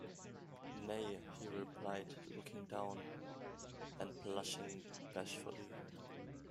‘Nay,’ he replied, looking down, and blushing bashfully.